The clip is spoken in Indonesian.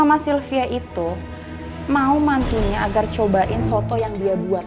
sama sylvia itu mau mandinya agar cobain soto yang dia buat